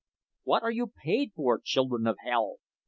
What are you paid for, children of hell?"